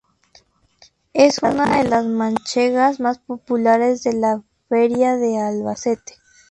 Es una de las manchegas más populares de la Feria de Albacete.